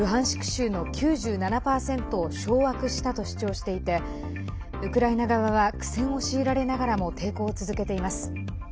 州の９７％を掌握したと主張していてウクライナ側は苦戦を強いられながらも抵抗を続けています。